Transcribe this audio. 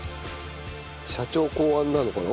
社長考案なのかな？